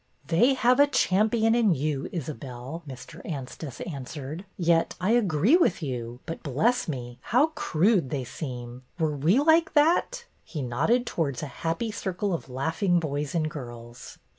They have a champion in you, Isabelle," Mr. Anstice answered. '' Yet I agree with you. But, bless me, how crude they seem! Were we like that ?" He nodded towards a happy circle of laughing boys and girls.